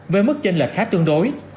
với mức chênh lệch khá tương đối